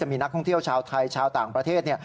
มีนักท่องเที่ยวชาวไทยชาวต่างประเทศ